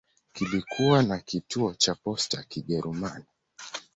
Kulikuwa na kituo cha posta ya Kijerumani.